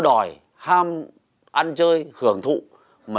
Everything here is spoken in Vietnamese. không không thể ý